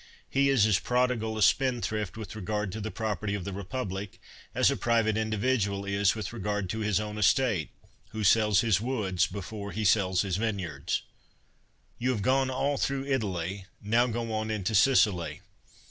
He is as prodigal a spendthrift with regard to the prop erty of the republic, as a private individual is with regard to his own estate, who sells his woods, before he sells his vineyards. You have gone all through Italy, now go on into Sicily.